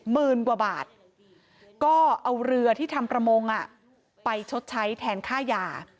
หมื่นกว่าบาทก็เอาเรือที่ทำประมงไปชดใช้แทนค่ายา